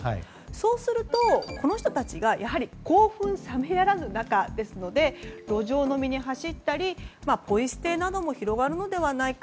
そうすると、この人たちが興奮冷めやらぬ中ですので路上飲みに走ったりポイ捨てなどが広がるのではないか。